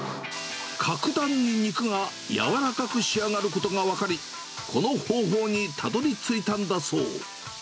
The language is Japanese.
格段に肉がやわらかく仕上がることが分かり、この方法にたどりついたんだそう。